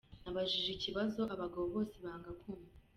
Nabajije ikibazo abagabo bose banga kumva.